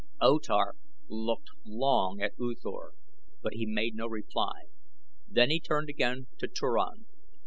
O Tar looked long at U Thor, but he made no reply. Then he turned again to Turan.